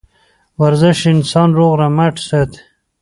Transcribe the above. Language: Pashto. ورزش انسان روغ رمټ ساتي